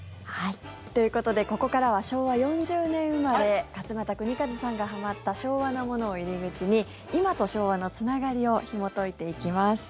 ということでここからは昭和４０年生まれ勝俣州和さんがはまった昭和なものを入り口に今と昭和のつながりをひもといていきます。